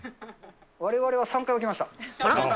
われわれは３回起きました。